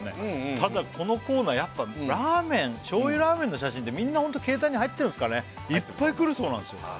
ただこのコーナーやっぱラーメン醤油ラーメンの写真ってみんなホント携帯に入ってるんすかねいっぱい来るそうなんですよ